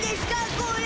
これ。